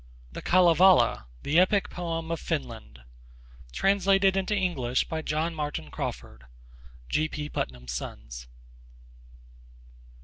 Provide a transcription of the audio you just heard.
The Kalevala, the Epic Poem of Finland. Translated into English by John Martin Crawford. (G. P. Putnam's Sons.)